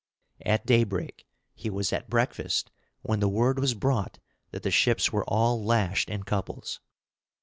At daybreak he was at breakfast when the word was brought that the ships were all lashed in couples.